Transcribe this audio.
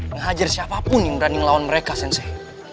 nghajar siapapun yang berani ngelawan mereka sensei